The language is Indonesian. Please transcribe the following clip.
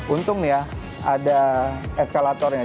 untung ya ada eskalatornya